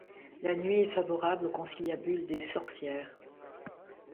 La nuit est favorable aux conciliabules des sorcières.